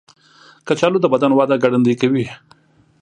کچالو د بدن وده ګړندۍ کوي.